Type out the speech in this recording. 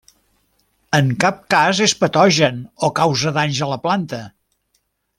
En cap cas és patogen o causa danys a la planta.